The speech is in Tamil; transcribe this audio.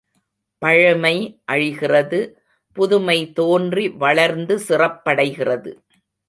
பழமை அழிகிறது புதுமை தோன்றி வளர்ந்து சிறப்படைகிறது.